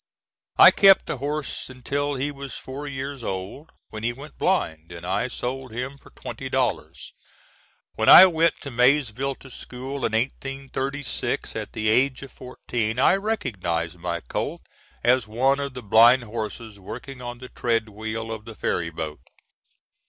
I kept the horse until he was four years old, when he went blind, and I sold him for twenty dollars. When I went to Maysville to school, in 1836, at the age of fourteen, I recognized my colt as one of the blind horses working on the tread wheel of the ferry boat.